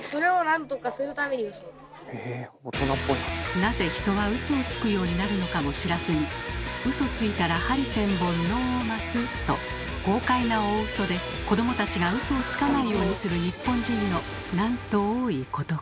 なぜ人はウソをつくようになるのかも知らずに「ウソついたら針千本のます！」と豪快な大ウソで子どもたちがウソをつかないようにする日本人のなんと多いことか。